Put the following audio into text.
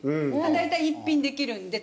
大体一品できるんで。